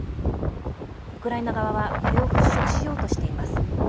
ウクライナ側はこれをふっしょくしようとしています。